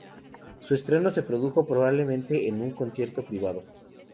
Su estreno se produjo probablemente en un concierto privado.